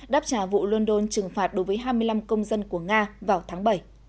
đáp trả vụ london trừng phạt đối với hai mươi năm công dân của nga vào tháng bảy